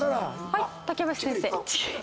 はい竹林先生。